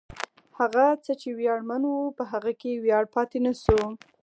هغه څه چې ویاړمن و، په هغه کې ویاړ پاتې نه و.